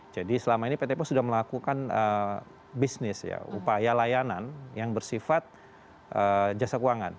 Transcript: jadi selama ini pt post sudah melakukan bisnis upaya layanan yang bersifat jasa keuangan